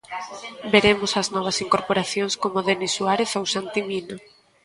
Veremos ás novas incorporacións como Denis Suárez ou Santi Mina.